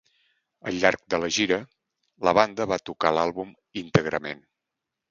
Al llarg de la gira, la banda va tocar l'àlbum íntegrament.